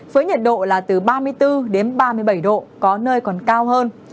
với nhiệt độ là từ ba mươi bốn đến ba mươi bảy độ có nơi còn cao hơn